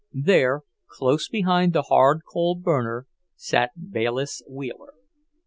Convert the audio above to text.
There, close beside the hard coal burner, sat Bayliss Wheeler.